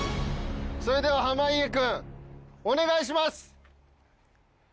それでは濱家君お願いします！